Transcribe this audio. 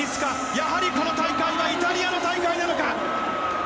やはりこの大会はイタリアの大会なのか。